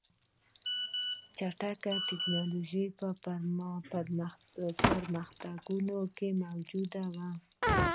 چټک ټکنالوژیکي پرمختګونه موجود وو